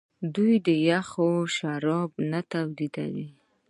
آیا دوی یخ شراب نه تولیدوي؟